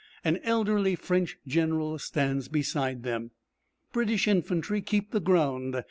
An elderly French General stands beside them. British infantry keep the ground.